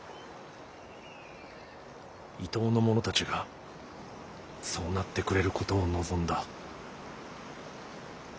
伊東の者たちがそうなってくれることを望んだ。